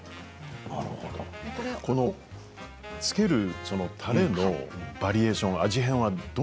つけるたれのバリエーション。